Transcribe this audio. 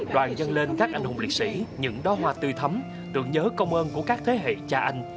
đoàn dâng lên các anh hùng liệt sĩ những đo hoa tư thấm tượng nhớ công ơn của các thế hệ cha anh